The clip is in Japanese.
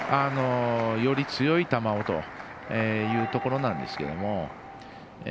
より強い球をというところなんですけれども。